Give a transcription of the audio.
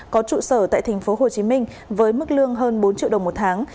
có trụ sở tại thành phố hồ chí minh với mức lương hơn bốn triệu đồng một tháng